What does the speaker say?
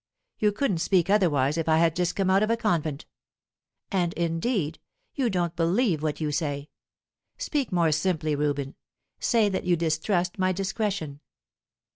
You couldn't speak otherwise if I had just come out of a convent. And, indeed, you don't believe what you say. Speak more simply, Reuben. Say that you distrust my discretion."